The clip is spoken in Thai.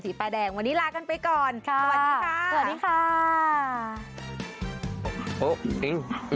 เที๋ยวเที๋ยวเที๋ยวโหโหโห